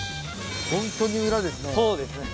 本当に裏ですね。